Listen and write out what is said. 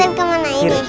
putar ke mana ini